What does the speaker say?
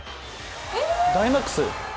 ダイマックス。